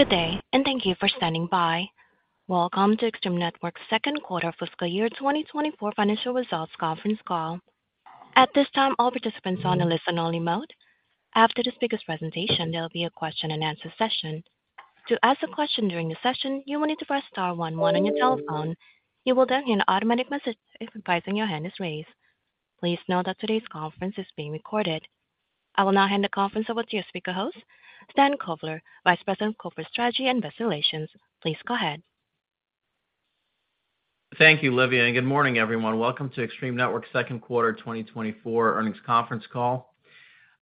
Good day, and thank you for standing by. Welcome to Extreme Networks' second quarter fiscal year 2024 financial results conference call. At this time, all participants are on a listen-only mode. After the speaker's presentation, there will be a question-and-answer session. To ask a question during the session, you will need to press star one one on your telephone. You will then hear an automatic message advising your hand is raised. Please note that today's conference is being recorded. I will now hand the conference over to your speaker host, Stan Kovler, Vice President of Corporate Strategy and Investor Relations. Please go ahead. Thank you, Livia, and good morning, everyone. Welcome to Extreme Networks' second quarter 2024 earnings conference call.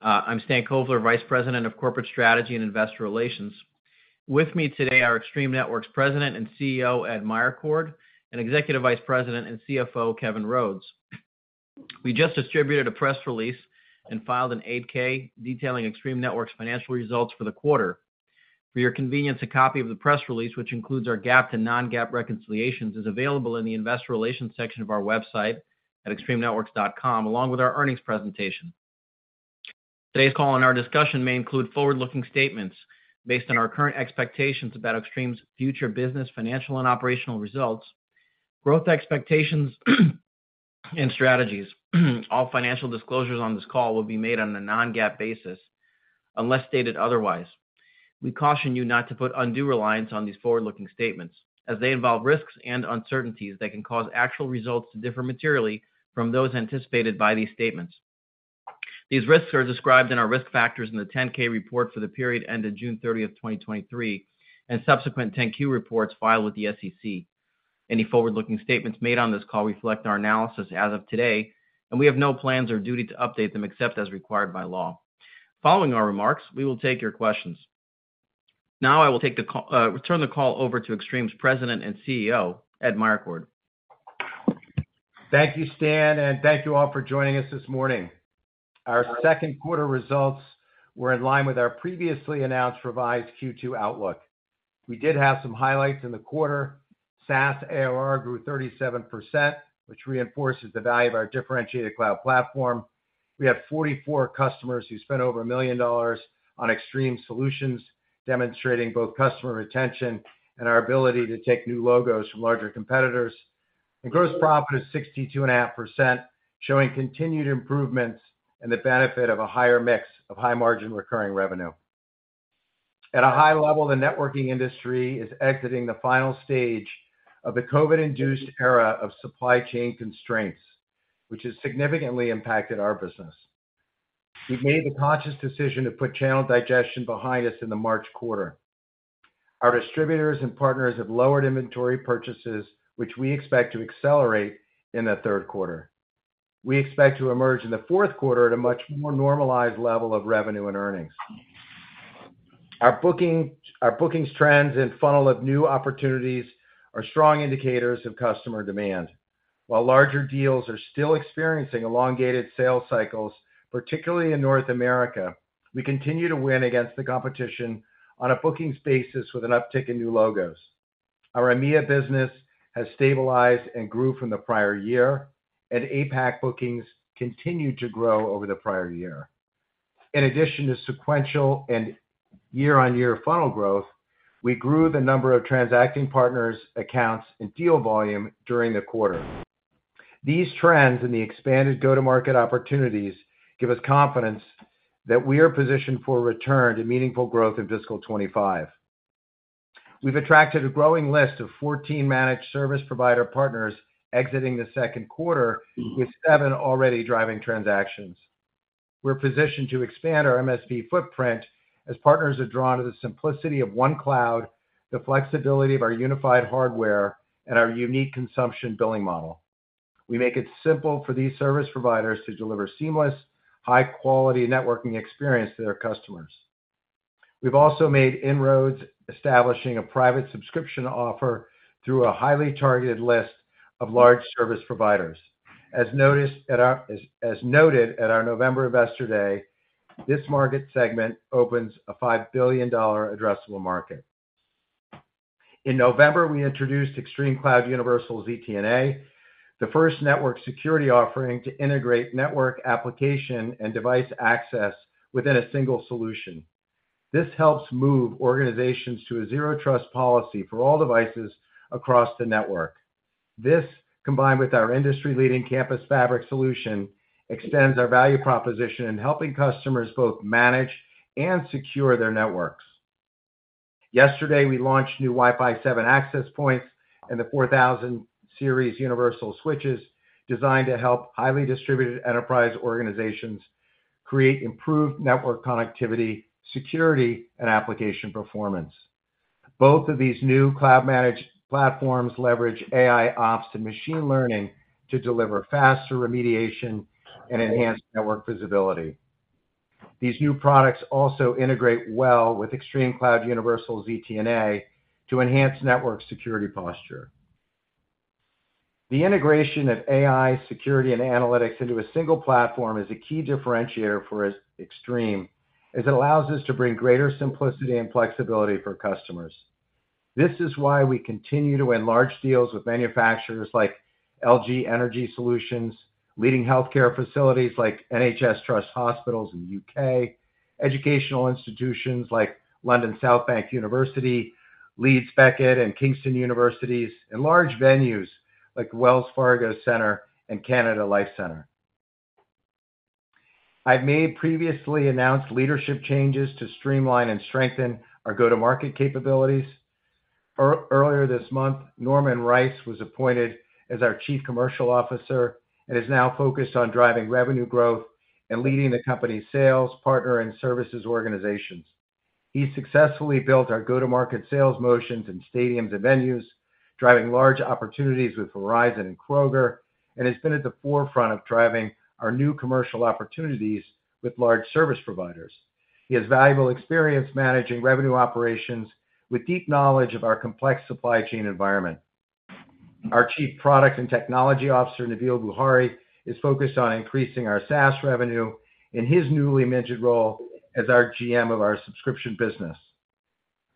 I'm Stan Kovler, Vice President of Corporate Strategy and Investor Relations. With me today are Extreme Networks President and CEO, Ed Meyercord, and Executive Vice President and CFO, Kevin Rhodes. We just distributed a press release and filed an 8-K detailing Extreme Networks' financial results for the quarter. For your convenience, a copy of the press release, which includes our GAAP to non-GAAP reconciliations, is available in the investor relations section of our website at extremenetworks.com, along with our earnings presentation. Today's call and our discussion may include forward-looking statements based on our current expectations about Extreme's future business, financial, and operational results, growth expectations, and strategies. All financial disclosures on this call will be made on a non-GAAP basis, unless stated otherwise. We caution you not to put undue reliance on these forward-looking statements, as they involve risks and uncertainties that can cause actual results to differ materially from those anticipated by these statements. These risks are described in our risk factors in the 10-K report for the period ended June 30, 2023, and subsequent 10-Q reports filed with the SEC. Any forward-looking statements made on this call reflect our analysis as of today, and we have no plans or duty to update them except as required by law. Following our remarks, we will take your questions. Now, I will take the call, turn the call over to Extreme's President and CEO, Ed Meyercord. Thank you, Stan, and thank you all for joining us this morning. Our second quarter results were in line with our previously announced revised Q2 outlook. We did have some highlights in the quarter. SaaS ARR grew 37%, which reinforces the value of our differentiated cloud platform. We have 44 customers who spent over $1 million on Extreme solutions, demonstrating both customer retention and our ability to take new logos from larger competitors. Gross profit is 62.5%, showing continued improvements and the benefit of a higher mix of high-margin recurring revenue. At a high level, the networking industry is exiting the final stage of the COVID-induced era of supply chain constraints, which has significantly impacted our business. We've made the conscious decision to put channel digestion behind us in the March quarter. Our distributors and partners have lowered inventory purchases, which we expect to accelerate in the third quarter. We expect to emerge in the fourth quarter at a much more normalized level of revenue and earnings. Our bookings trends and funnel of new opportunities are strong indicators of customer demand. While larger deals are still experiencing elongated sales cycles, particularly in North America, we continue to win against the competition on a bookings basis with an uptick in new logos. Our EMEA business has stabilized and grew from the prior year, and APAC bookings continued to grow over the prior year. In addition to sequential and year-on-year funnel growth, we grew the number of transacting partners, accounts, and deal volume during the quarter. These trends and the expanded go-to-market opportunities give us confidence that we are positioned for a return to meaningful growth in fiscal 2025. We've attracted a growing list of 14 managed service provider partners exiting the second quarter, with seven already driving transactions. We're positioned to expand our MSP footprint as partners are drawn to the simplicity of one cloud, the flexibility of our unified hardware, and our unique consumption billing model. We make it simple for these service providers to deliver seamless, high-quality networking experience to their customers. We've also made inroads, establishing a private subscription offer through a highly targeted list of large service providers. As noted at our November Investor Day, this market segment opens a $5 billion addressable market. In November, we introduced ExtremeCloud Universal ZTNA, the first network security offering to integrate network application and device access within a single solution. This helps move organizations to a zero trust policy for all devices across the network. This, combined with our industry-leading Campus Fabric solution, extends our value proposition in helping customers both manage and secure their networks. Yesterday, we launched new Wi-Fi 7 access points and the 4000 Series Universal Switches, designed to help highly distributed enterprise organizations create improved network connectivity, security, and application performance. Both of these new cloud-managed platforms leverage AIOps and machine learning to deliver faster remediation and enhanced network visibility. These new products also integrate well with ExtremeCloud Universal ZTNA to enhance network security posture. The integration of AI, security, and analytics into a single platform is a key differentiator for us, Extreme, as it allows us to bring greater simplicity and flexibility for customers.... This is why we continue to win large deals with manufacturers like LG Energy Solution, leading healthcare facilities like NHS Trust hospitals in the UK, educational institutions like London South Bank University, Leeds Beckett, and Kingston University, and large venues like Wells Fargo Center and Canada Life Centre. I've made previously announced leadership changes to streamline and strengthen our go-to-market capabilities. Earlier this month, Norman Rice was appointed as our Chief Commercial Officer, and is now focused on driving revenue growth and leading the company's sales, partner, and services organizations. He successfully built our go-to-market sales motions in stadiums and venues, driving large opportunities with Verizon and Kroger, and has been at the forefront of driving our new commercial opportunities with large service providers. He has valuable experience managing revenue operations, with deep knowledge of our complex supply chain environment. Our Chief Product and Technology Officer, Nabil Bukhari, is focused on increasing our SaaS revenue in his newly mentioned role as our GM of our subscription business.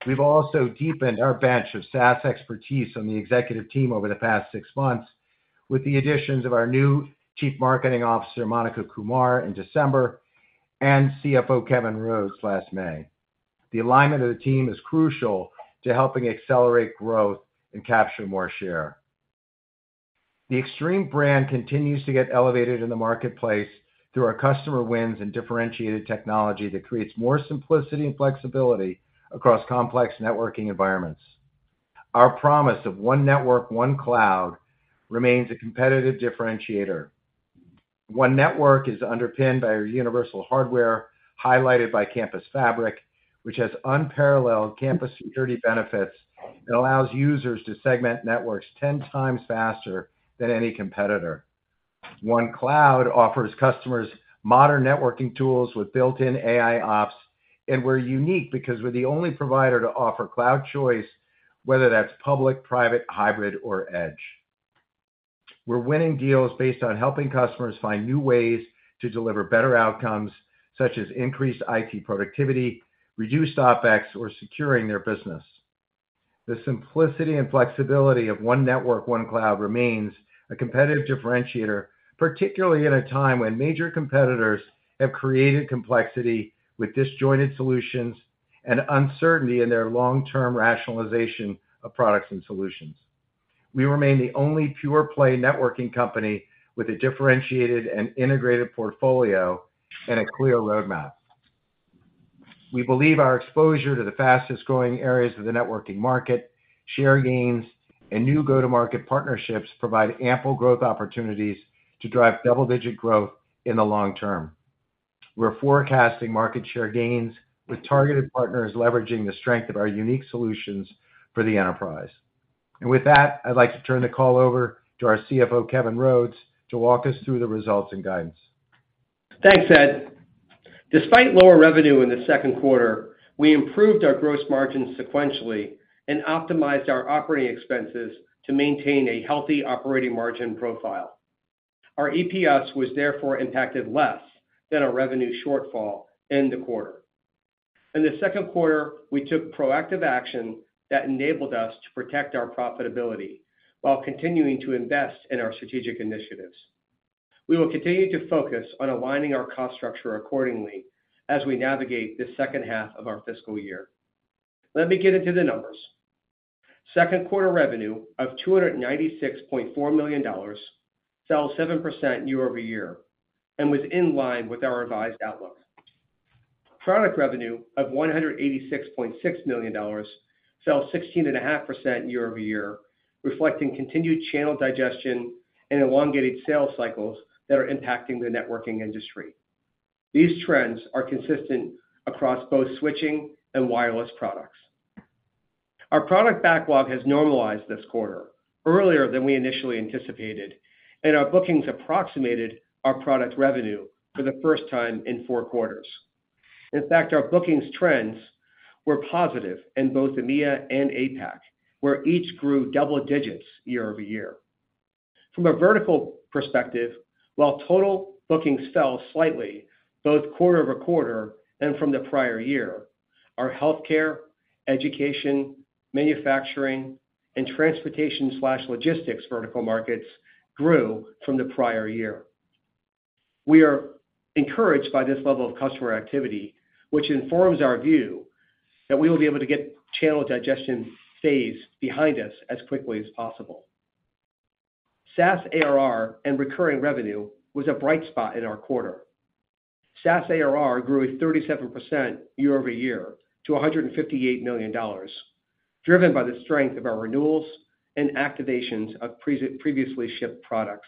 We've also deepened our bench of SaaS expertise on the executive team over the past six months, with the additions of our new Chief Marketing Officer, Monica Kumar, in December, and CFO, Kevin Rhodes, last May. The alignment of the team is crucial to helping accelerate growth and capture more share. The Extreme brand continues to get elevated in the marketplace through our customer wins and differentiated technology that creates more simplicity and flexibility across complex networking environments. Our promise of one network, one cloud, remains a competitive differentiator. One network is underpinned by our universal hardware, highlighted by Campus Fabric, which has unparalleled campus security benefits and allows users to segment networks 10 times faster than any competitor. One Cloud offers customers modern networking tools with built-in AIOps, and we're unique because we're the only provider to offer cloud choice, whether that's public, private, hybrid, or edge. We're winning deals based on helping customers find new ways to deliver better outcomes, such as increased IT productivity, reduced OpEx, or securing their business. The simplicity and flexibility of One Network, One Cloud remains a competitive differentiator, particularly in a time when major competitors have created complexity with disjointed solutions and uncertainty in their long-term rationalization of products and solutions. We remain the only pure-play networking company with a differentiated and integrated portfolio and a clear roadmap. We believe our exposure to the fastest-growing areas of the networking market, share gains, and new go-to-market partnerships provide ample growth opportunities to drive double-digit growth in the long term. We're forecasting market share gains with targeted partners, leveraging the strength of our unique solutions for the enterprise. With that, I'd like to turn the call over to our CFO, Kevin Rhodes, to walk us through the results and guidance. Thanks, Ed. Despite lower revenue in the second quarter, we improved our gross margin sequentially and optimized our operating expenses to maintain a healthy operating margin profile. Our EPS was therefore impacted less than our revenue shortfall in the quarter. In the second quarter, we took proactive action that enabled us to protect our profitability while continuing to invest in our strategic initiatives. We will continue to focus on aligning our cost structure accordingly as we navigate the second half of our fiscal year. Let me get into the numbers. Second quarter revenue of $296.4 million fell 7% year-over-year and was in line with our revised outlook. Product revenue of $186.6 million fell 16.5% year-over-year, reflecting continued channel digestion and elongated sales cycles that are impacting the networking industry. These trends are consistent across both switching and wireless products. Our product backlog has normalized this quarter, earlier than we initially anticipated, and our bookings approximated our product revenue for the first time in four quarters. In fact, our bookings trends were positive in both EMEA and APAC, where each grew double digits year-over-year. From a vertical perspective, while total bookings fell slightly, both quarter-over-quarter and from the prior year, our healthcare, education, manufacturing, and transportation/logistics vertical markets grew from the prior year. We are encouraged by this level of customer activity, which informs our view that we will be able to get channel digestion phase behind us as quickly as possible. SaaS ARR and recurring revenue was a bright spot in our quarter. SaaS ARR grew 37% year-over-year to $158 million, driven by the strength of our renewals and activations of previously shipped products.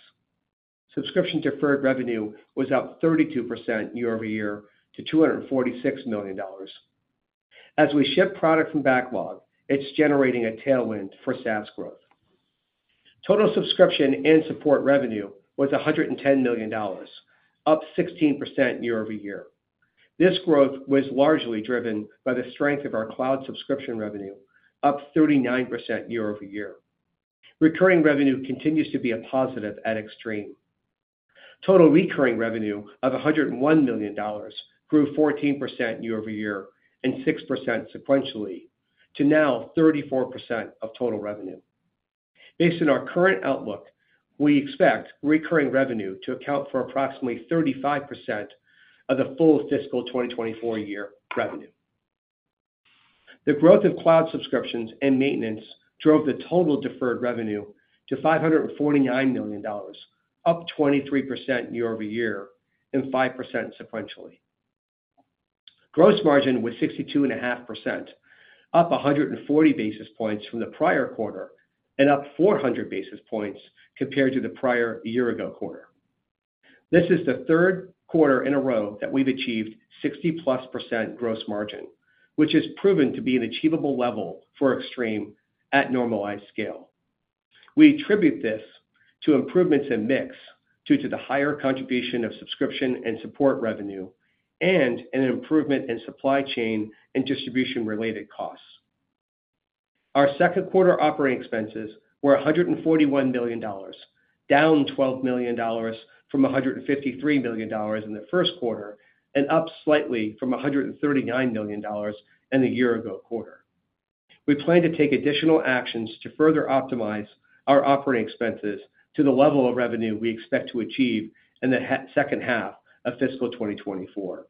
Subscription deferred revenue was up 32% year-over-year to $246 million. As we ship product from backlog, it's generating a tailwind for SaaS growth. Total subscription and support revenue was $110 million, up 16% year-over-year. This growth was largely driven by the strength of our cloud subscription revenue, up 39% year-over-year. Returning revenue continues to be a positive at Extreme.... Total recurring revenue of $101 million grew 14% year-over-year and 6% sequentially to now 34% of total revenue. Based on our current outlook, we expect recurring revenue to account for approximately 35% of the full fiscal 2024 year revenue. The growth of cloud subscriptions and maintenance drove the total deferred revenue to $549 million, up 23% year-over-year and 5% sequentially. Gross margin was 62.5%, up 140 basis points from the prior quarter and up 400 basis points compared to the prior year-ago quarter. This is the third quarter in a row that we've achieved 60+% gross margin, which has proven to be an achievable level for Extreme at normalized scale. We attribute this to improvements in mix, due to the higher contribution of subscription and support revenue, and an improvement in supply chain and distribution-related costs. Our second quarter operating expenses were $141 million, down $12 million from $153 million in the first quarter, and up slightly from $139 million in the year ago quarter. We plan to take additional actions to further optimize our operating expenses to the level of revenue we expect to achieve in the second half of fiscal 2024,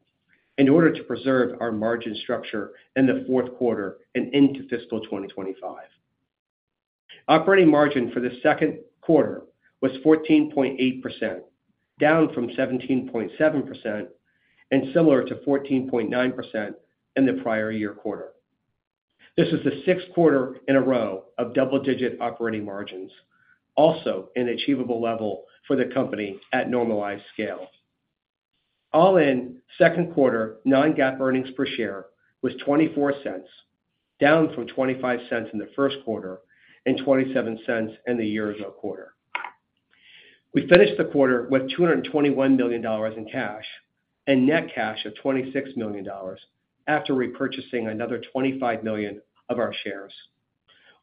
in order to preserve our margin structure in the fourth quarter and into fiscal 2025. Operating margin for the second quarter was 14.8%, down from 17.7% and similar to 14.9% in the prior year quarter. This is the 6th quarter in a row of double-digit operating margins, also an achievable level for the company at normalized scale. All in, second quarter, non-GAAP earnings per share was $0.24, down from $0.25 in the first quarter and $0.27 in the year ago quarter. We finished the quarter with $221 million in cash and net cash of $26 million after repurchasing another $25 million of our shares.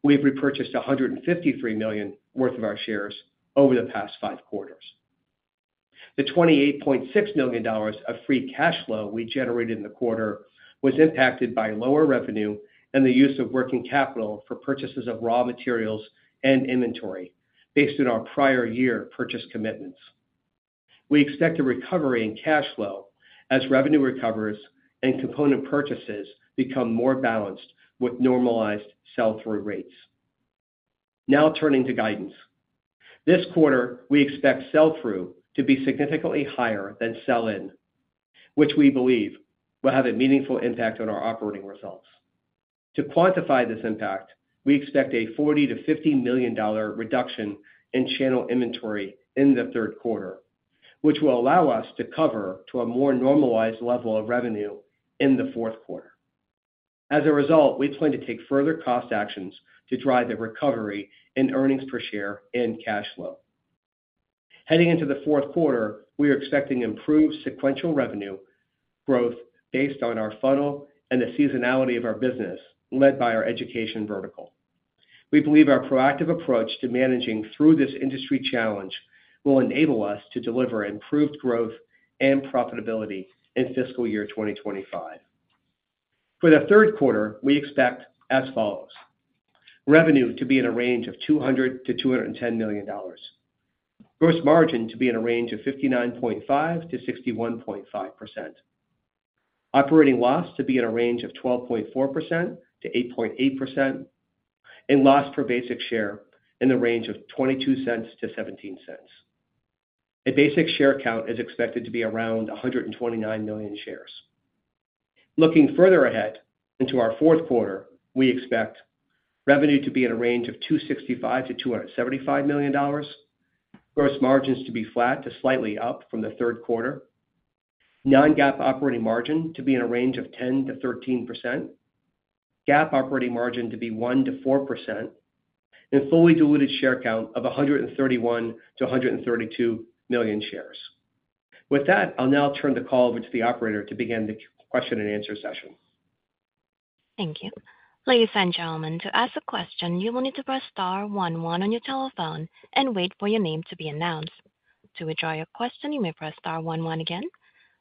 We've repurchased $153 million worth of our shares over the past five quarters. The $28.6 million of free cash flow we generated in the quarter was impacted by lower revenue and the use of working capital for purchases of raw materials and inventory based on our prior year purchase commitments. We expect a recovery in cash flow as revenue recovers and component purchases become more balanced with normalized sell-through rates. Now turning to guidance. This quarter, we expect sell-through to be significantly higher than sell-in, which we believe will have a meaningful impact on our operating results. To quantify this impact, we expect a $40-$50 million reduction in channel inventory in the third quarter, which will allow us to cover to a more normalized level of revenue in the fourth quarter. As a result, we plan to take further cost actions to drive the recovery in earnings per share and cash flow. Heading into the fourth quarter, we are expecting improved sequential revenue growth based on our funnel and the seasonality of our business, led by our education vertical. We believe our proactive approach to managing through this industry challenge will enable us to deliver improved growth and profitability in fiscal year 2025. For the third quarter, we expect as follows: revenue to be in a range of $200-$210 million, gross margin to be in a range of 59.5%-61.5%, operating loss to be in a range of 12.4%-8.8%, and loss per basic share in the range of $0.22-$0.17. A basic share count is expected to be around 129 million shares. Looking further ahead into our fourth quarter, we expect revenue to be in a range of $265 million-$275 million, gross margins to be flat to slightly up from the third quarter, non-GAAP operating margin to be in a range of 10%-13%, GAAP operating margin to be 1%-4%, and fully diluted share count of 131 million-132 million shares. With that, I'll now turn the call over to the operator to begin the question-and-answer session. Thank you. Ladies and gentlemen, to ask a question, you will need to press star 1, 1 on your telephone and wait for your name to be announced. To withdraw your question, you may press star 1, 1 again.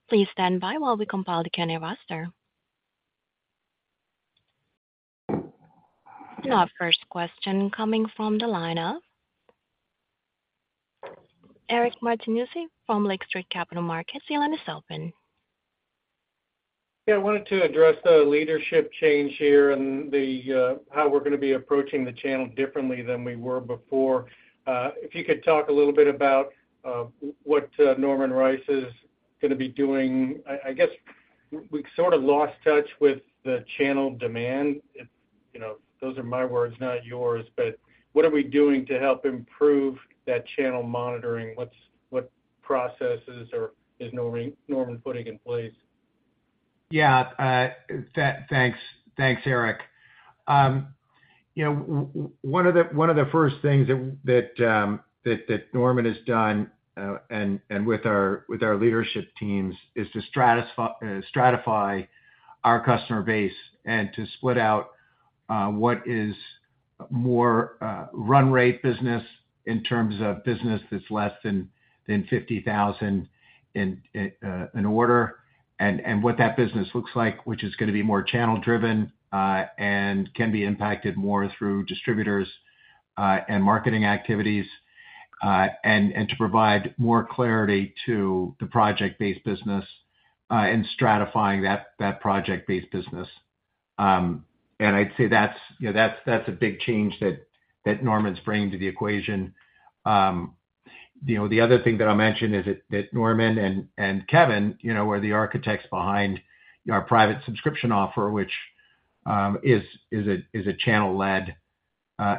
Please stand by while we compile the Q&A roster. Our first question coming from the line of Eric Martinuzzi from Lake Street Capital Markets. Your line is open. Yeah, I wanted to address the leadership change here and the how we're going to be approaching the channel differently than we were before. If you could talk a little bit about what Norman Rice is going to be doing. I guess we've sort of lost touch with the channel demand. You know, those are my words, not yours, but what are we doing to help improve that channel monitoring? What processes is Norman putting in place? Yeah. Thanks, Eric. You know, one of the first things that Norman has done and with our leadership teams is to stratify our customer base and to split out what is-... more run rate business in terms of business that's less than $50,000 in an order, and what that business looks like, which is gonna be more channel-driven and can be impacted more through distributors and marketing activities. And to provide more clarity to the project-based business and stratifying that project-based business. And I'd say that's, you know, that's a big change that Norman's bringing to the equation. You know, the other thing that I'll mention is that Norman and Kevin, you know, were the architects behind our Private Subscription Offer, which is a channel-led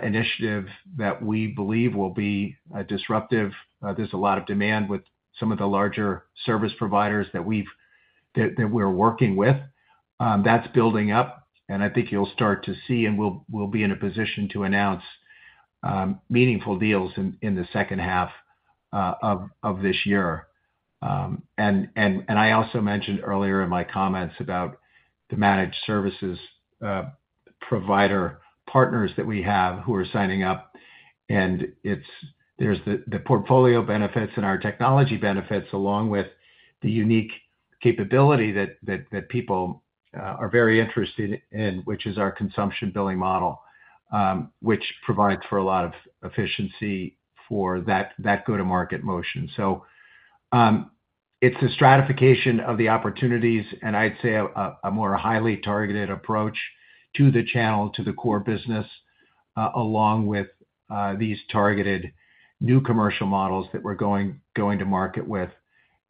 initiative that we believe will be disruptive. There's a lot of demand with some of the larger service providers that we're working with. That's building up, and I think you'll start to see, and we'll be in a position to announce meaningful deals in the second half of this year. I also mentioned earlier in my comments about the managed services provider partners that we have who are signing up, and it's. There's the portfolio benefits and our technology benefits, along with the unique capability that people are very interested in, which is our consumption billing model, which provides for a lot of efficiency for that go-to-market motion. So, it's a stratification of the opportunities, and I'd say a more highly targeted approach to the channel, to the core business, along with these targeted new commercial models that we're going to market with.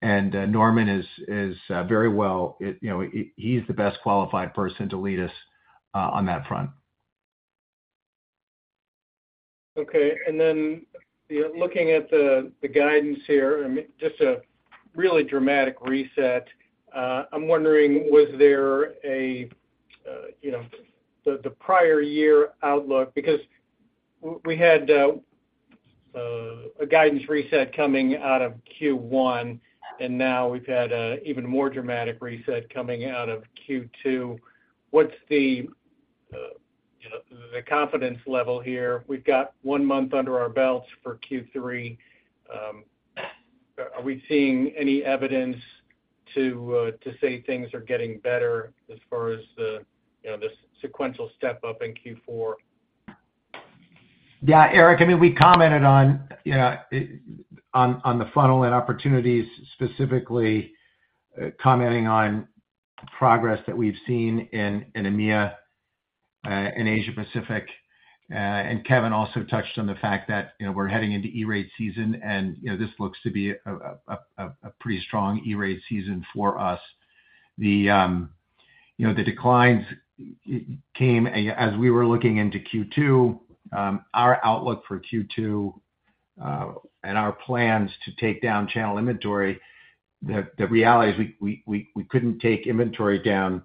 Norman is very well, you know, he, he's the best qualified person to lead us on that front. Okay. And then, you know, looking at the guidance here, I mean, just a really dramatic reset. I'm wondering, was there a you know, the prior year outlook because we had a guidance reset coming out of Q1, and now we've had an even more dramatic reset coming out of Q2. What's the you know, the confidence level here? We've got one month under our belts for Q3. Are we seeing any evidence to say things are getting better as far as the you know, this sequential step up in Q4? Yeah, Eric, I mean, we commented on, you know, on the funnel and opportunities, specifically commenting on progress that we've seen in EMEA, in Asia Pacific. And Kevin also touched on the fact that, you know, we're heading into E-rate season, and, you know, this looks to be a pretty strong E-rate season for us. The, you know, the declines came as we were looking into Q2. Our outlook for Q2 and our plans to take down channel inventory, the reality is, we couldn't take inventory down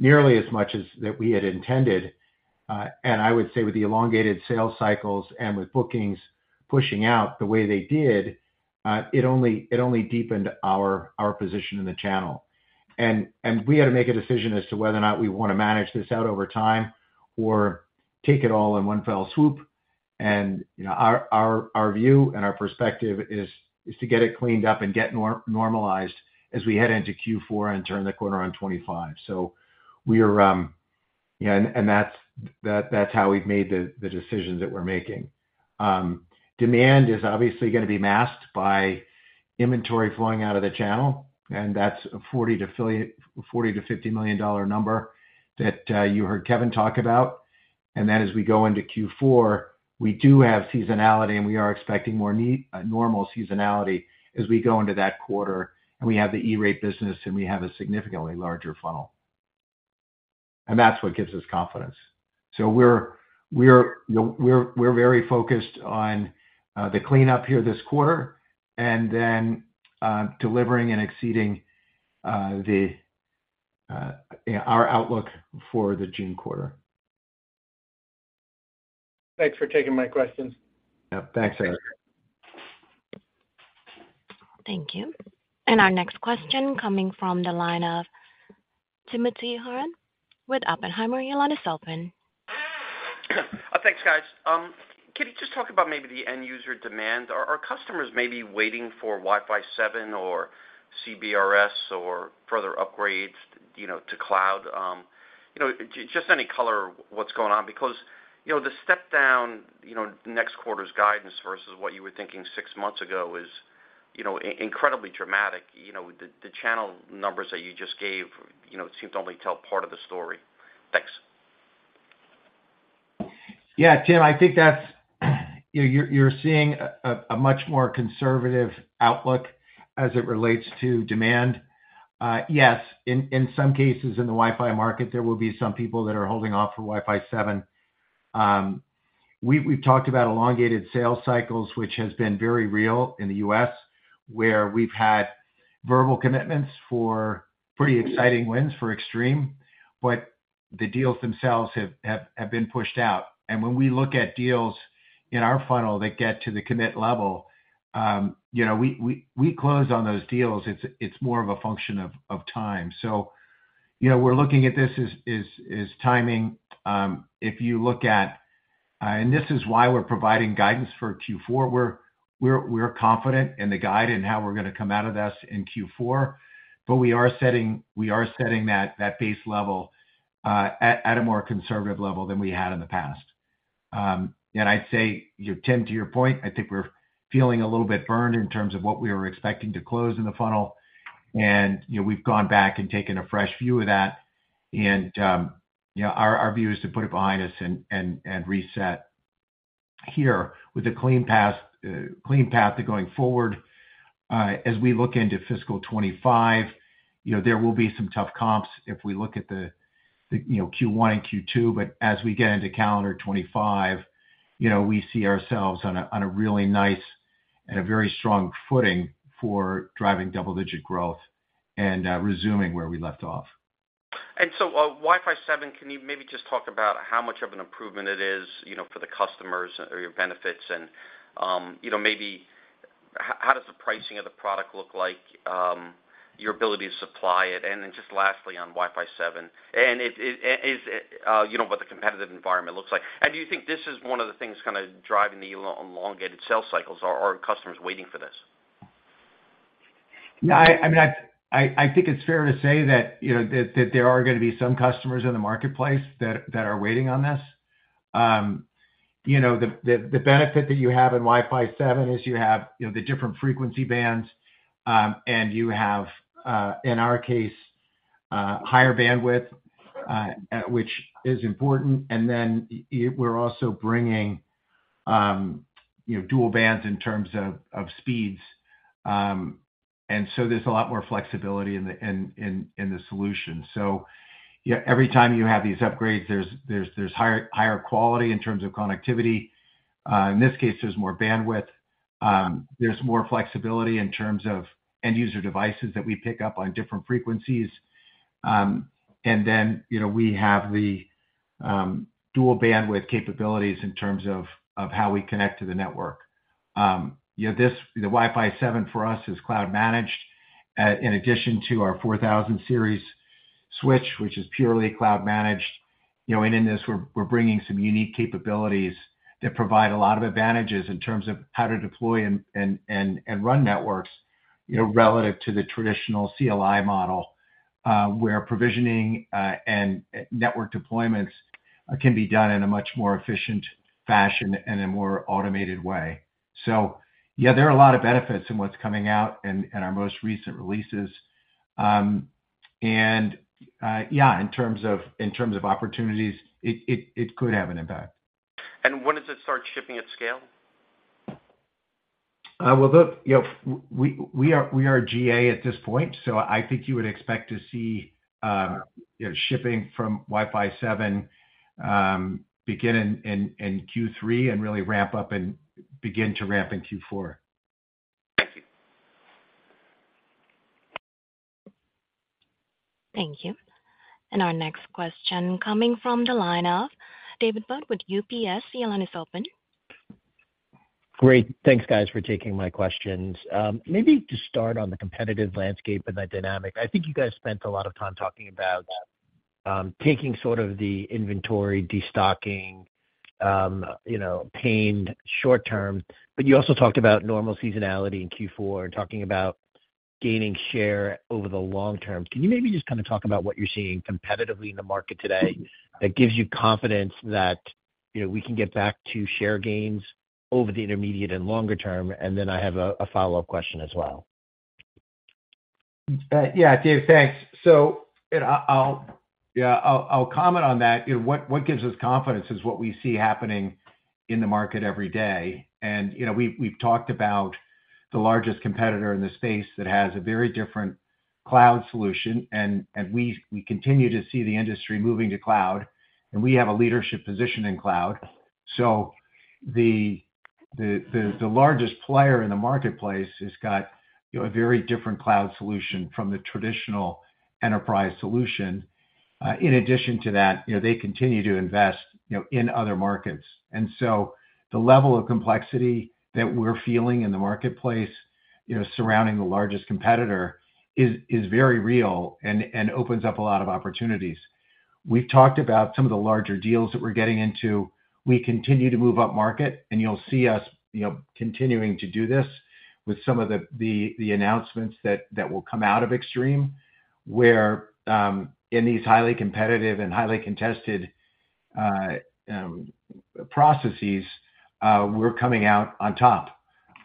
nearly as much as that we had intended. And I would say with the elongated sales cycles and with bookings pushing out the way they did, it only deepened our position in the channel. And we had to make a decision as to whether or not we want to manage this out over time or take it all in one fell swoop. And, you know, our view and our perspective is to get it cleaned up and get normalized as we head into Q4 and turn the corner on 25. So we're, yeah, and that's how we've made the decisions that we're making. Demand is obviously gonna be masked by inventory flowing out of the channel, and that's a $40 million-$50 million number that you heard Kevin talk about. And then as we go into Q4, we do have seasonality, and we are expecting more normal seasonality as we go into that quarter, and we have the E-rate business, and we have a significantly larger funnel. That's what gives us confidence. We're, you know, very focused on the cleanup here this quarter and then delivering and exceeding our outlook for the June quarter. Thanks for taking my questions. Yeah. Thanks, Eric. Thank you. Our next question coming from the line of Timothy Horan with Oppenheimer. Your line is open. Thanks, guys. Can you just talk about maybe the end user demand? Are customers maybe waiting for Wi-Fi 7 or CBRS or further upgrades, you know, to cloud? You know, just any color what's going on? Because, you know, the step down, you know, next quarter's guidance versus what you were thinking six months ago is, you know, incredibly dramatic. You know, the channel numbers that you just gave, you know, seem to only tell part of the story. Thanks. Yeah, Tim, I think that's what you're seeing, a much more conservative outlook as it relates to demand. Yes, in some cases, in the Wi-Fi market, there will be some people that are holding off for Wi-Fi 7. We've talked about elongated sales cycles, which has been very real in the U.S., where we've had verbal commitments for pretty exciting wins for Extreme, but the deals themselves have been pushed out. And when we look at deals in our funnel that get to the commit level, you know, we close on those deals. It's more of a function of time. So, you know, we're looking at this as timing. If you look at, and this is why we're providing guidance for Q4. We're confident in the guide and how we're gonna come out of this in Q4, but we are setting that base level at a more conservative level than we had in the past. And I'd say, Tim, to your point, I think we're feeling a little bit burned in terms of what we were expecting to close in the funnel. And, you know, we've gone back and taken a fresh view of that, and, you know, our view is to put it behind us and reset here with a clean path to going forward. As we look into fiscal 25, you know, there will be some tough comps if we look at the Q1 and Q2. As we get into calendar 2025, you know, we see ourselves on a really nice and a very strong footing for driving double-digit growth and resuming where we left off. And so, Wi-Fi 7, can you maybe just talk about how much of an improvement it is, you know, for the customers or your benefits? And, you know, maybe how does the pricing of the product look like, your ability to supply it? And then just lastly, on Wi-Fi 7, and is, you know, what the competitive environment looks like. And do you think this is one of the things kinda driving the elongated sales cycles, or are customers waiting for this? Yeah, I mean, I think it's fair to say that, you know, that there are gonna be some customers in the marketplace that are waiting on this. You know, the benefit that you have in Wi-Fi 7 is you have the different frequency bands, and you have, in our case, higher bandwidth, which is important. And then we're also bringing, you know, dual bands in terms of speeds. And so there's a lot more flexibility in the solution. So yeah, every time you have these upgrades, there's higher quality in terms of connectivity. In this case, there's more bandwidth. There's more flexibility in terms of end user devices that we pick up on different frequencies. And then, you know, we have the dual bandwidth capabilities in terms of how we connect to the network. You know, this, the Wi-Fi 7 for us is cloud managed, in addition to our 4000 series switch, which is purely cloud managed. You know, and in this, we're bringing some unique capabilities that provide a lot of advantages in terms of how to deploy and run networks, you know, relative to the traditional CLI model, where provisioning and network deployments can be done in a much more efficient fashion and a more automated way. So yeah, there are a lot of benefits in what's coming out in our most recent releases. And yeah, in terms of opportunities, it could have an impact. When does it start shipping at scale? Well, look, you know, we are GA at this point, so I think you would expect to see, you know, shipping from Wi-Fi 7 begin in Q3 and really ramp up and begin to ramp in Q4. Thank you. Thank you. Our next question coming from the line of David Budd with UBS. The line is open. Great. Thanks, guys, for taking my questions. Maybe to start on the competitive landscape and the dynamic, I think you guys spent a lot of time talking about taking sort of the inventory, destocking, you know, pained short term, but you also talked about normal seasonality in Q4, talking about gaining share over the long term. Can you maybe just kinda talk about what you're seeing competitively in the market today that gives you confidence that, you know, we can get back to share gains over the intermediate and longer term? And then I have a follow-up question as well. Yeah, Dave, thanks. So, I'll comment on that. You know, what gives us confidence is what we see happening in the market every day. And, you know, we've talked about the largest competitor in the space that has a very different cloud solution, and we continue to see the industry moving to cloud, and we have a leadership position in cloud. So the largest player in the marketplace has got, you know, a very different cloud solution from the traditional enterprise solution. In addition to that, you know, they continue to invest, you know, in other markets. And so the level of complexity that we're feeling in the marketplace, you know, surrounding the largest competitor, is very real and opens up a lot of opportunities. We've talked about some of the larger deals that we're getting into. We continue to move upmarket, and you'll see us, you know, continuing to do this with some of the announcements that will come out of Extreme, where in these highly competitive and highly contested processes, we're coming out on top.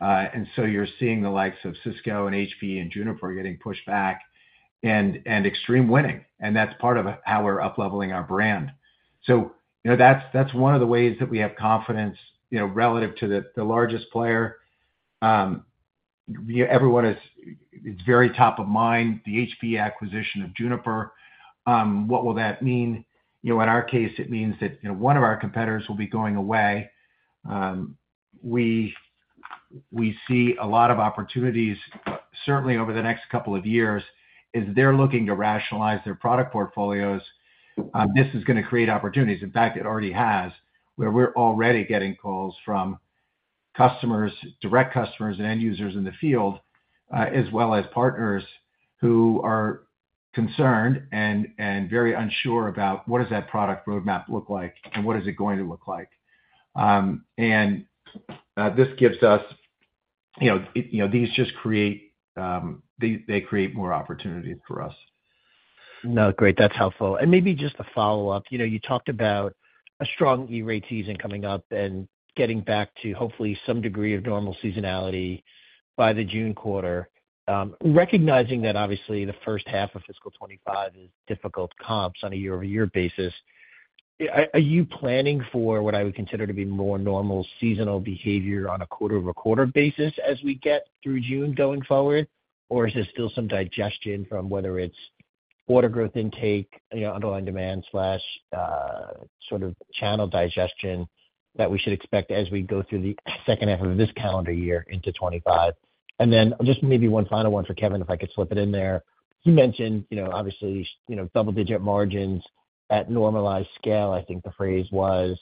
And so you're seeing the likes of Cisco and HP and Juniper getting pushed back and Extreme winning, and that's part of how we're upleveling our brand. So, you know, that's one of the ways that we have confidence, you know, relative to the largest player. It's very top of mind, the HP acquisition of Juniper. What will that mean? You know, in our case, it means that, you know, one of our competitors will be going away. We see a lot of opportunities, certainly over the next couple of years, as they're looking to rationalize their product portfolios. This is gonna create opportunities. In fact, it already has, where we're already getting calls from customers, direct customers and end users in the field, as well as partners who are concerned and very unsure about what does that product roadmap look like and what is it going to look like? This gives us, you know, it, you know, these just create, they create more opportunities for us. No, great. That's helpful. And maybe just a follow-up. You know, you talked about a strong E-rate season coming up and getting back to hopefully some degree of normal seasonality by the June quarter. Recognizing that obviously the first half of fiscal 2025 is difficult comps on a year-over-year basis, are you planning for what I would consider to be more normal seasonal behavior on a quarter-over-quarter basis as we get through June going forward? Or is there still some digestion from whether it's order growth intake, you know, underlying demand, sort of channel digestion, that we should expect as we go through the second half of this calendar year into 2025? And then just maybe one final one for Kevin, if I could slip it in there. You mentioned, you know, obviously, you know, double-digit margins at normalized scale, I think the phrase was.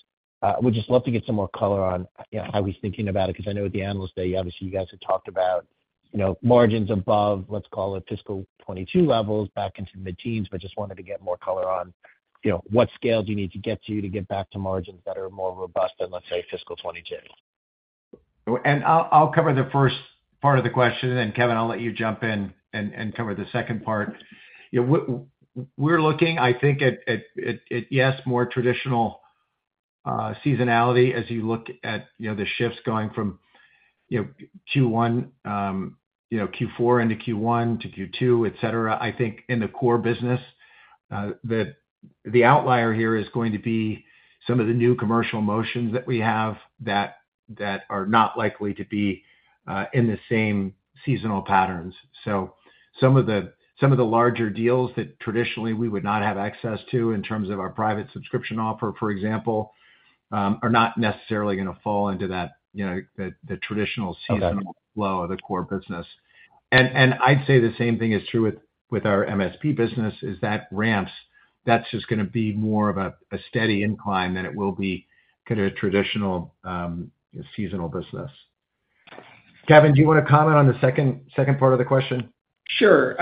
Would just love to get some more color on, you know, how he's thinking about it, 'cause I know at the Analyst Day, obviously, you guys had talked about, you know, margins above, let's call it fiscal 2022 levels, back into mid-teens, but just wanted to get more color on, you know, what scale do you need to get to, to get back to margins that are more robust than, let's say, fiscal 2022. And I'll cover the first part of the question, and Kevin, I'll let you jump in and cover the second part. You know, we're looking, I think, at yes, more traditional seasonality as you look at, you know, the shifts going from, you know, Q1, you know, Q4 into Q1 to Q2, et cetera. I think in the core business, the outlier here is going to be some of the new commercial motions that we have that are not likely to be in the same seasonal patterns. So some of the larger deals that traditionally we would not have access to in terms of our Private Subscription Offer, for example, are not necessarily gonna fall into that, you know, the traditional- Okay ...seasonal flow of the core business. And, and I'd say the same thing is true with, with our MSP business, is that ramps, that's just gonna be more of a, a steady incline than it will be kind of traditional, seasonal business. Kevin, do you wanna comment on the second, second part of the question? Sure.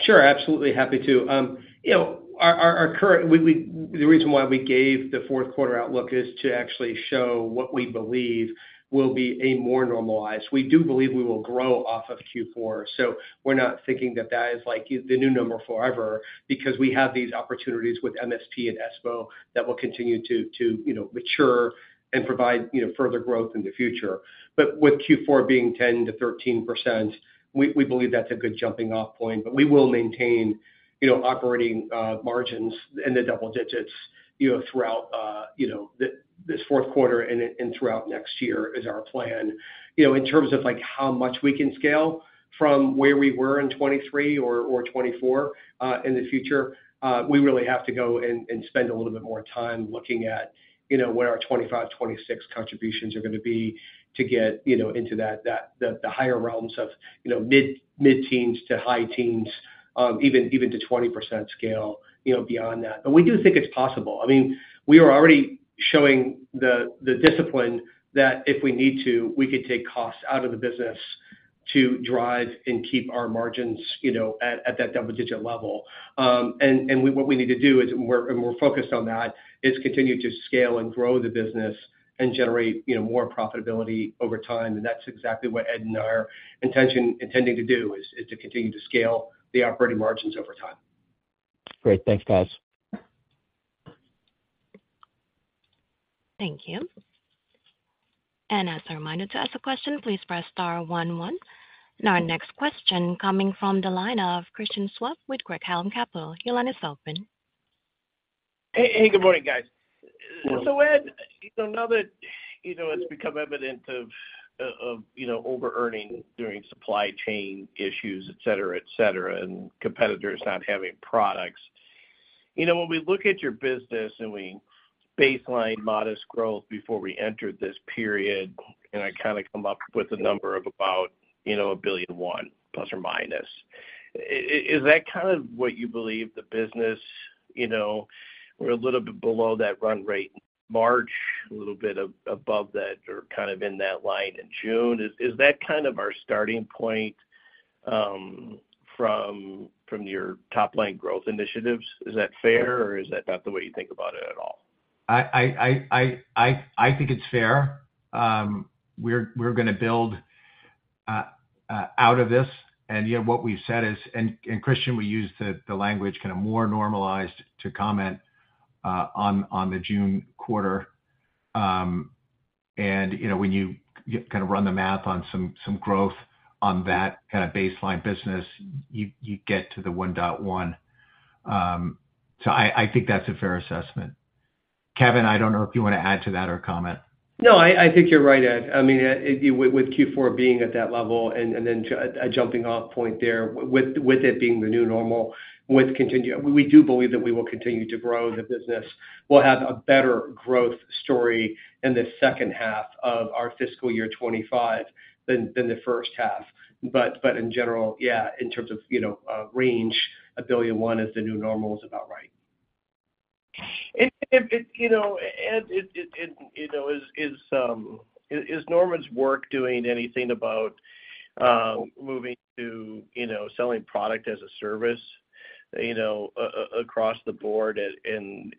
Sure, absolutely, happy to. You know, our current—we—the reason why we gave the fourth quarter outlook is to actually show what we believe will be a more normalized. We do believe we will grow off of Q4, so we're not thinking that that is, like, the new number forever because we have these opportunities with MSP and ESPO that will continue to, you know, mature and provide, you know, further growth in the future. But with Q4 being 10%-13%, we believe that's a good jumping-off point. But we will maintain, you know, operating margins in the double digits, you know, throughout this fourth quarter and throughout next year, is our plan. You know, in terms of, like, how much we can scale from where we were in 2023 or 2024 in the future, we really have to go and spend a little bit more time looking at, you know, what our 2025, 2026 contributions are gonna be to get, you know, into that, the higher realms of, you know, mid-teens to high teens, even to 20% scale, you know, beyond that. But we do think it's possible. I mean, we are already showing the discipline that if we need to, we could take costs out of the business to drive and keep our margins, you know, at that double-digit level. And what we need to do is, we're focused on that, is continue to scale and grow the business and generate, you know, more profitability over time. And that's exactly what Ed and I are intending to do, is to continue to scale the operating margins over time. Great. Thanks, guys. Thank you. And as a reminder, to ask a question, please press star one one. And our next question coming from the line of Christian Schwab with Craig-Hallum Capital. Your line is open. Hey, good morning, guys. Good morning. So Ed, you know, now that, you know, it's become evident of, of, you know, overearning during supply chain issues, et cetera, et cetera, and competitors not having products, you know, when we look at your business and we baseline modest growth before we entered this period, and I kinda come up with a number of about, you know, $1.1 billion ±, is that kind of what you believe the business, you know. We're a little bit below that run rate in March, a little bit above that or kind of in that line in June. Is that kind of our starting point, from, from your top-line growth initiatives? Is that fair, or is that not the way you think about it at all? I think it's fair. We're gonna build out of this, and, you know, what we've said is—and Christian, we use the language, kind of more normalized to comment on the June quarter. And, you know, when you kind of run the math on some growth on that kind of baseline business, you get to the 1.1. So I think that's a fair assessment. Kevin, I don't know if you want to add to that or comment. No, I think you're right, Ed. I mean, with Q4 being at that level and then a jumping-off point there, with it being the new normal. We do believe that we will continue to grow the business. We'll have a better growth story in the second half of our fiscal year 2025 than the first half. But in general, yeah, in terms of, you know, range, $1.1 billion is the new normal is about right.... And if you know, and it is Norman's work doing anything about moving to you know selling product as a service you know across the board and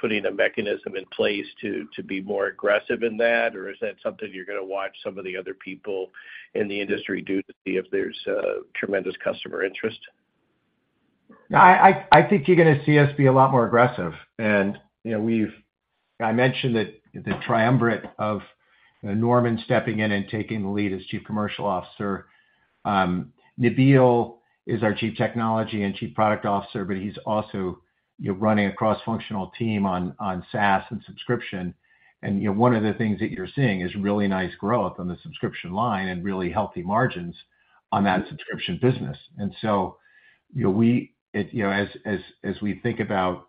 putting a mechanism in place to be more aggressive in that? Or is that something you're gonna watch some of the other people in the industry do, to see if there's tremendous customer interest? No, I think you're gonna see us be a lot more aggressive. And, you know, we've I mentioned that the triumvirate of Norman stepping in and taking the lead as Chief Commercial Officer. Nabil is our Chief Technology and Chief Product Officer, but he's also, you know, running a cross-functional team on SaaS and subscription. And, you know, one of the things that you're seeing is really nice growth on the subscription line and really healthy margins on that subscription business. And so, you know, as we think about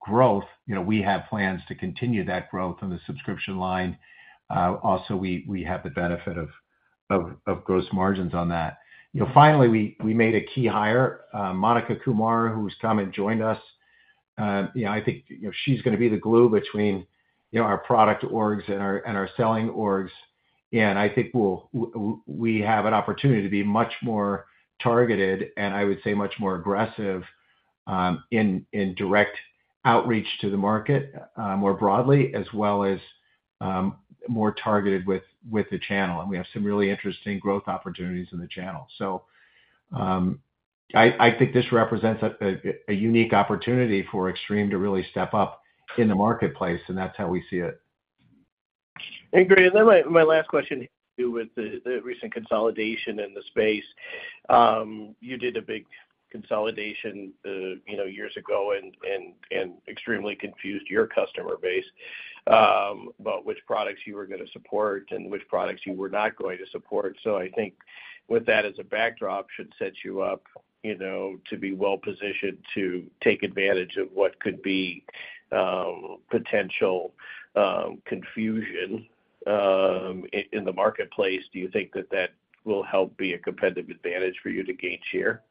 growth, you know, we have plans to continue that growth on the subscription line. Also, we have the benefit of gross margins on that. You know, finally, we made a key hire, Monica Kumar, who's come and joined us. You know, I think, you know, she's gonna be the glue between, you know, our product orgs and our, and our selling orgs. And I think we'll-we have an opportunity to be much more targeted, and I would say much more aggressive, in direct outreach to the market, more broadly, as well as, more targeted with, with the channel. And we have some really interesting growth opportunities in the channel. So, I think this represents a unique opportunity for Extreme to really step up in the marketplace, and that's how we see it. Great. And then my last question to do with the recent consolidation in the space. You did a big consolidation, you know, years ago and extremely confused your customer base about which products you were gonna support and which products you were not going to support. So I think with that as a backdrop, should set you up, you know, to be well-positioned to take advantage of what could be potential confusion in the marketplace. Do you think that that will help be a competitive advantage for you to gain share?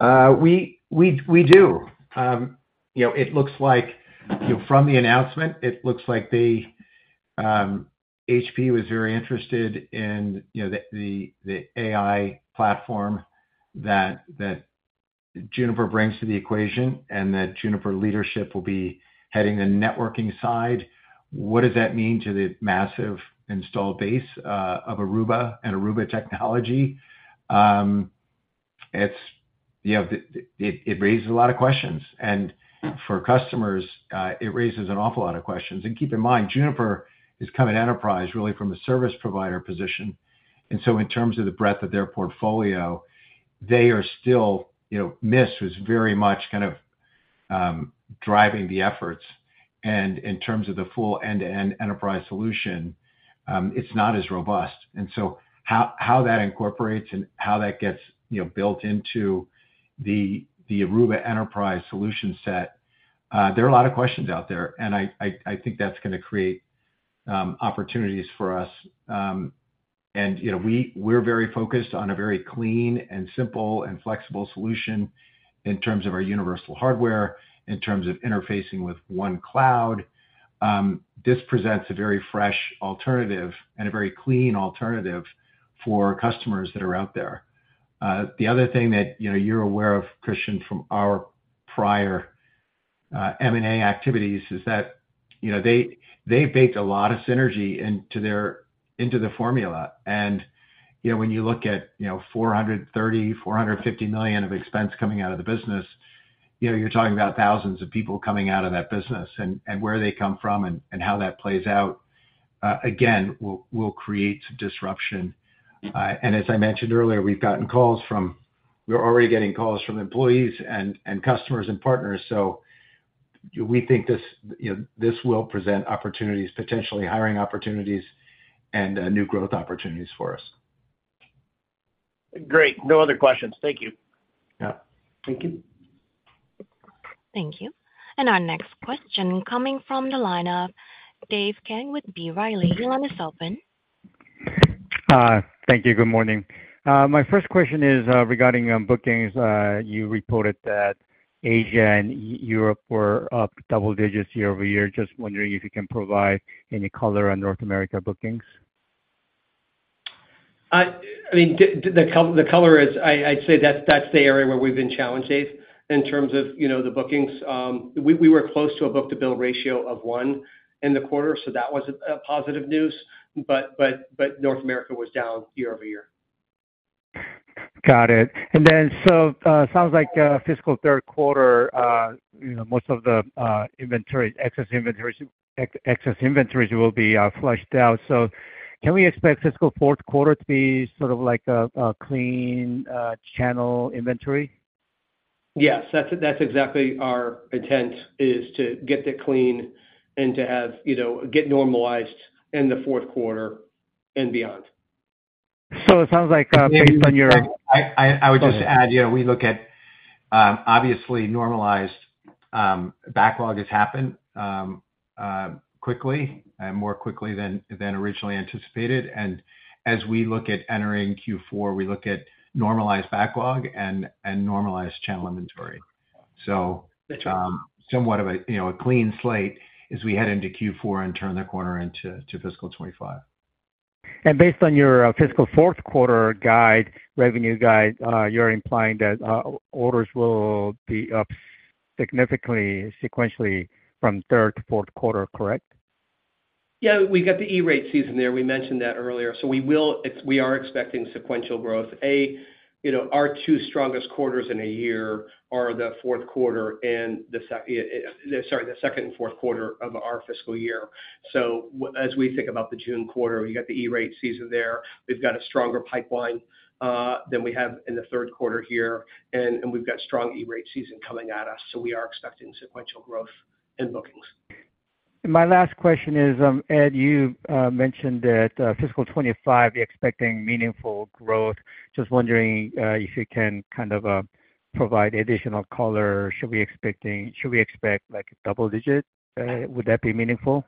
We do. You know, it looks like, you know, from the announcement, it looks like the HP was very interested in, you know, the AI platform that Juniper brings to the equation, and that Juniper leadership will be heading the networking side. What does that mean to the massive installed base of Aruba and Aruba technology? It's. You know, it raises a lot of questions, and for customers, it raises an awful lot of questions. Keep in mind, Juniper is coming enterprise, really from a service provider position, and so in terms of the breadth of their portfolio, they are still, you know, Mist was very much kind of driving the efforts. And in terms of the full end-to-end enterprise solution, it's not as robust. And so how that incorporates and how that gets, you know, built into the Aruba enterprise solution set, there are a lot of questions out there, and I think that's gonna create opportunities for us. You know, we're very focused on a very clean and simple and flexible solution in terms of our universal hardware, in terms of interfacing with one cloud. This presents a very fresh alternative and a very clean alternative for customers that are out there. The other thing that, you know, you're aware of, Christian, from our prior M&A activities is that, you know, they baked a lot of synergy into the formula. You know, when you look at, you know, $430 million-$450 million of expense coming out of the business, you know, you're talking about thousands of people coming out of that business. And where they come from and how that plays out, again, will create disruption. And as I mentioned earlier, we've gotten calls from-- We're already getting calls from employees and customers and partners, so we think this, you know, this will present opportunities, potentially hiring opportunities and new growth opportunities for us. Great. No other questions. Thank you. Yeah. Thank you. Thank you. Our next question coming from the line of Dave Kang with B. Riley, your line is open. Thank you. Good morning. My first question is regarding bookings. You reported that Asia and Europe were up double digits year-over-year. Just wondering if you can provide any color on North America bookings. I mean, the color is, I'd say that's the area where we've been challenged, Dave, in terms of, you know, the bookings. We were close to a book-to-bill ratio of one in the quarter, so that was positive news. But North America was down year-over-year. Got it. And then so, sounds like, fiscal third quarter, you know, most of the excess inventories will be flushed out. So can we expect fiscal fourth quarter to be sort of like a clean channel inventory? Yes, that's, that's exactly our intent, is to get that clean and to have, you know, get normalized in the fourth quarter and beyond. So it sounds like, based on your- I would just add, you know, we look at obviously normalized backlog has happened quickly and more quickly than originally anticipated. And as we look at entering Q4, we look at normalized backlog and normalized channel inventory. So, somewhat of a, you know, a clean slate as we head into Q4 and turn the corner into fiscal 25. Based on your fiscal fourth quarter guide, revenue guide, you're implying that orders will be up significantly, sequentially from third to fourth quarter, correct? Yeah, we've got the E-rate season there. We mentioned that earlier. So we are expecting sequential growth. You know, our two strongest quarters in a year are the fourth quarter and the second and fourth quarter of our fiscal year. So as we think about the June quarter, we got the E-rate season there. We've got a stronger pipeline than we have in the third quarter here, and we've got strong E-rate season coming at us, so we are expecting sequential growth in bookings. My last question is, Ed, you mentioned that, fiscal 25, you're expecting meaningful growth. Just wondering, if you can kind of provide additional color. Should we expect, like, double digit? Would that be meaningful?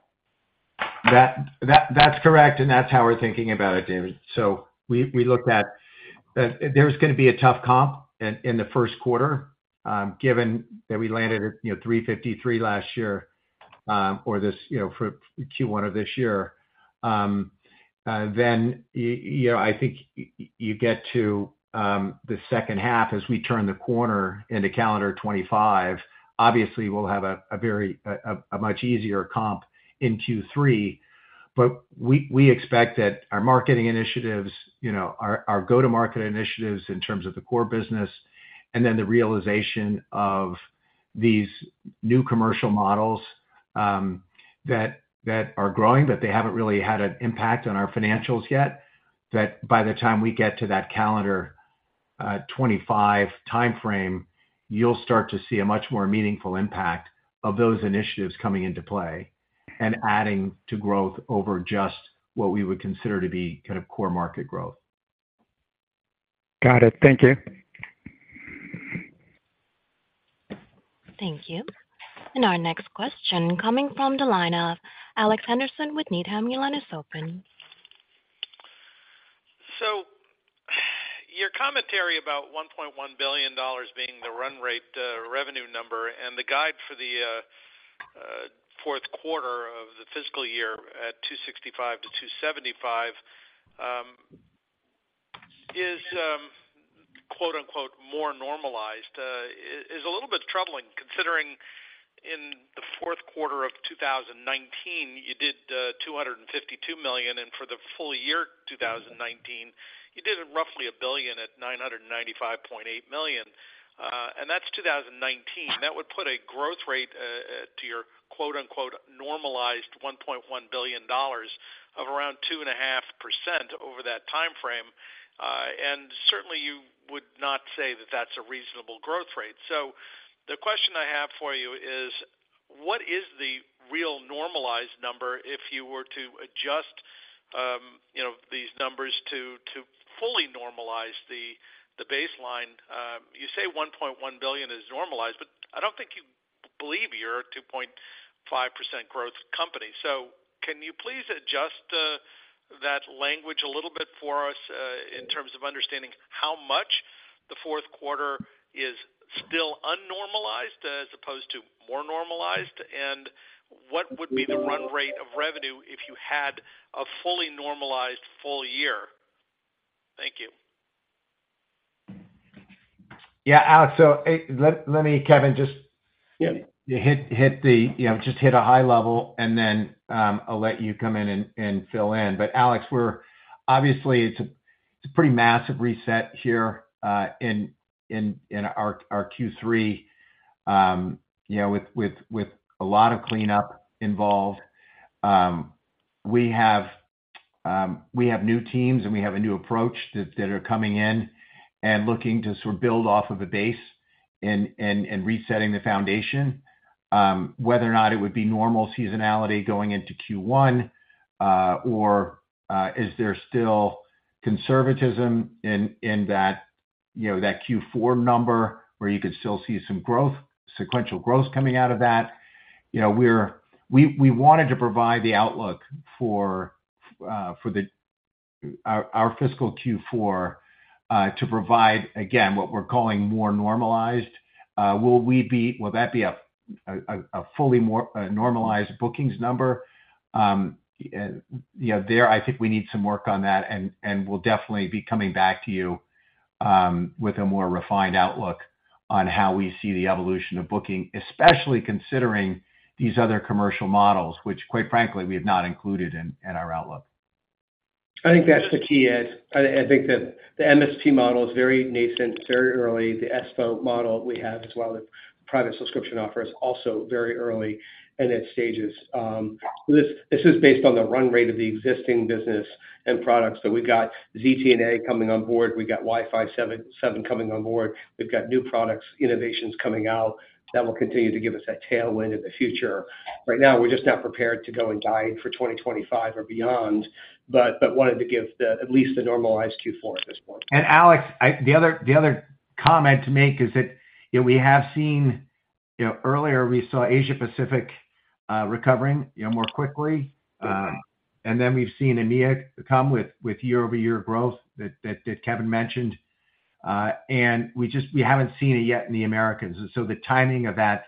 That's correct, and that's how we're thinking about it, David. So we looked at, there's gonna be a tough comp in the first quarter, given that we landed, you know, $353 last year, or this, you know, for Q1 of this year. Then, you know, I think you get to the second half as we turn the corner into calendar 2025. Obviously, we'll have a very much easier comp in Q3, but we expect that our marketing initiatives, you know, our go-to-market initiatives in terms of the core business, and then the realization of these new commercial models, that are growing, but they haven't really had an impact on our financials yet, that by the time we get to that calendar 25 timeframe, you'll start to see a much more meaningful impact of those initiatives coming into play and adding to growth over just what we would consider to be kind of core market growth. Got it. Thank you. Thank you. Our next question coming from the line of Alex Henderson with Needham. Your line is open. So your commentary about $1.1 billion being the run rate revenue number and the guide for the fourth quarter of the fiscal year at $265 million-$275 million is quote-unquote "more normalized" is a little bit troubling, considering in the fourth quarter of 2019, you did $252 million, and for the full year 2019, you did roughly a billion at $995.8 million. And that's 2019. That would put a growth rate to your quote-unquote "normalized" $1.1 billion of around 2.5% over that timeframe. And certainly, you would not say that that's a reasonable growth rate. So the question I have for you is: What is the real normalized number if you were to adjust, you know, these numbers to, to fully normalize the, the baseline? You say $1.1 billion is normalized, but I don't think you believe you're a 2.5% growth company. So can you please adjust, that language a little bit for us, in terms of understanding how much the fourth quarter is still unnormalized as opposed to more normalized? And what would be the run rate of revenue if you had a fully normalized full year? Thank you. Yeah, Alex, so, let me, Kevin, just- Yeah. Hit the high level, and then I'll let you come in and fill in. But Alex, we're obviously it's a pretty massive reset here in our Q3, you know, with a lot of cleanup involved. We have new teams, and we have a new approach that are coming in and looking to sort of build off of a base and resetting the foundation. Whether or not it would be normal seasonality going into Q1, or is there still conservatism in that, you know, that Q4 number, where you could still see some growth, sequential growth coming out of that? You know, we wanted to provide the outlook for our fiscal Q4 to provide, again, what we're calling more normalized. Will that be a fully normalized bookings number? You know, there, I think we need some work on that, and we'll definitely be coming back to you with a more refined outlook on how we see the evolution of booking, especially considering these other commercial models, which, quite frankly, we have not included in our outlook. I think that's the key, Ed. I think that the MST model is very nascent, very early. The ESPO model we have, as well as private subscription offers, also very early in its stages. This is based on the run rate of the existing business and products. So we've got ZTNA coming on board. We've got Wi-Fi 7 coming on board. We've got new products, innovations coming out that will continue to give us that tailwind in the future. Right now, we're just not prepared to go and guide for 2025 or beyond, but wanted to give the, at least the normalized Q4 at this point. And Alex, the other comment to make is that, you know, we have seen. You know, earlier we saw Asia Pacific recovering, you know, more quickly. And then we've seen EMEA come with year-over-year growth that Kevin mentioned. And we just haven't seen it yet in the Americas. And so the timing of that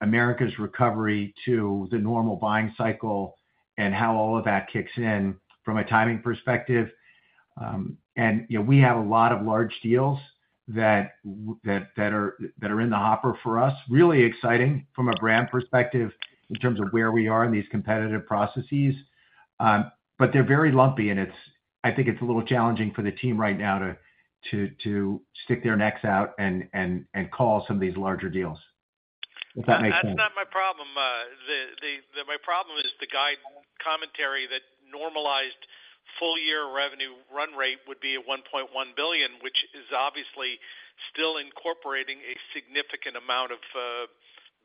Americas recovery to the normal buying cycle and how all of that kicks in from a timing perspective, and, you know, we have a lot of large deals that are in the hopper for us. Really exciting from a brand perspective in terms of where we are in these competitive processes. But they're very lumpy, and it's, I think it's a little challenging for the team right now to stick their necks out and call some of these larger deals, if that makes sense. That's not my problem. My problem is the guidance commentary that normalized full-year revenue run rate would be at $1.1 billion, which is obviously still incorporating a significant amount of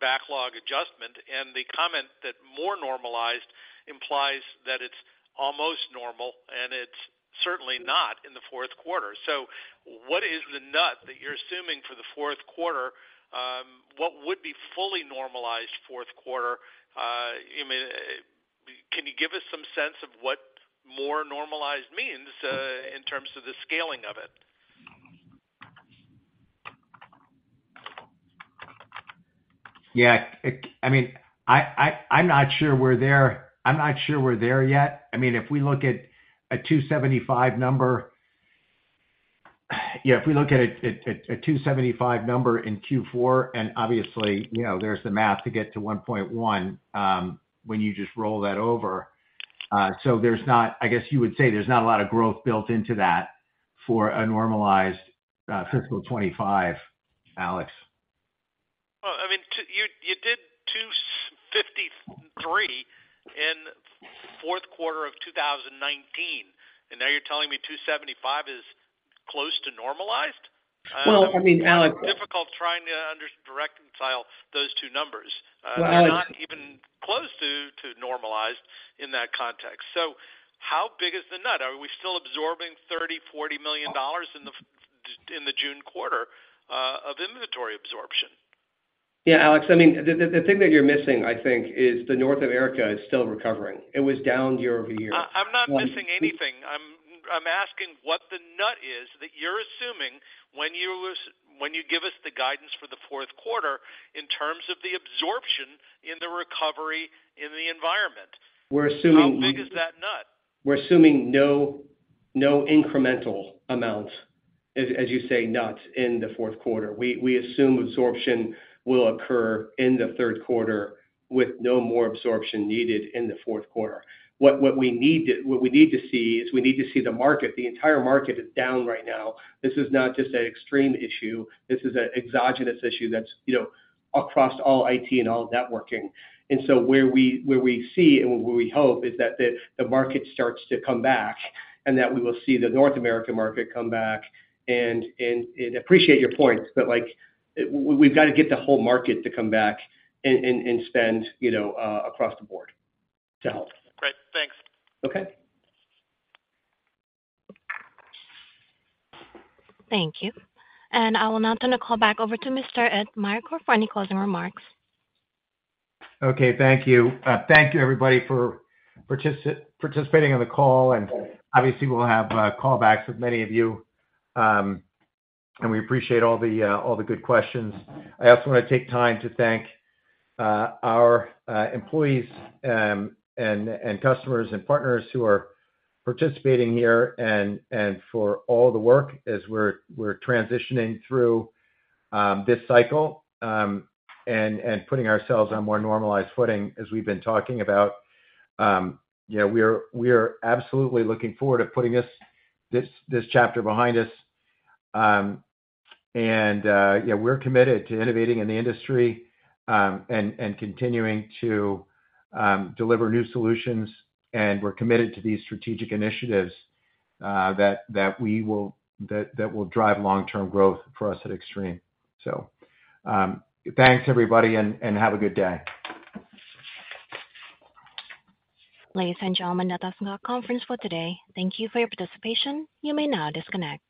backlog adjustment. And the comment that more normalized implies that it's almost normal, and it's certainly not in the fourth quarter. So what is the nut that you're assuming for the fourth quarter? What would be fully normalized fourth quarter? I mean, can you give us some sense of what more normalized means in terms of the scaling of it? Yeah, it—I mean, I'm not sure we're there. I'm not sure we're there yet. I mean, if we look at a $275 number, yeah, if we look at a $275 number in Q4, and obviously, you know, there's the math to get to $1.1, when you just roll that over. So there's not—I guess, you would say there's not a lot of growth built into that for a normalized fiscal 2025, Alex. Well, I mean, to you, you did $253 in fourth quarter of 2019, and now you're telling me $275 is close to normalized? Well, I mean, Alex- Difficult trying to reconcile those two numbers. Well- You're not even close to normalized in that context. So how big is the nut? Are we still absorbing $30-$40 million in the June quarter of inventory absorption? Yeah, Alex, I mean, the thing that you're missing, I think, is the North America is still recovering. It was down year-over-year. I'm not missing anything. I'm asking what the nut is that you're assuming when you give us the guidance for the fourth quarter in terms of the absorption in the recovery in the environment. We're assuming- How big is that nut? We're assuming no incremental amount, as you say, nuts in the fourth quarter. We assume absorption will occur in the third quarter, with no more absorption needed in the fourth quarter. What we need to see is the market. The entire market is down right now. This is not just an Extreme issue. This is an exogenous issue that's, you know, across all IT and all networking. And so where we hope is that the market starts to come back, and that we will see the North American market come back and appreciate your point, but, like, we've got to get the whole market to come back and spend, you know, across the board to help. Great. Thanks. Okay. Thank you. I will now turn the call back over to Mr. Ed Meyercord for any closing remarks. Okay. Thank you. Thank you, everybody, for participating on the call, and obviously, we'll have call backs with many of you. And we appreciate all the good questions. I also want to take time to thank our employees, and customers and partners who are participating here and for all the work as we're transitioning through this cycle, and putting ourselves on more normalized footing, as we've been talking about. Yeah, we are absolutely looking forward to putting this chapter behind us. And yeah, we're committed to innovating in the industry, and continuing to deliver new solutions, and we're committed to these strategic initiatives, that will drive long-term growth for us at Extreme. Thanks, everybody, and have a good day. Ladies and gentlemen, that ends our conference for today. Thank you for your participation. You may now disconnect.